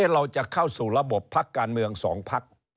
เราจะเข้าสู่ระบบพักการเมือง๒พัก